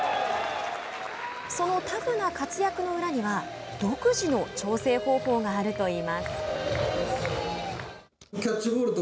そのタフな活躍の裏には独自の調整方法があると言います。